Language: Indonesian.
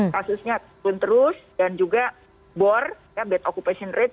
kasusnya turun terus dan juga bor bad occupation rate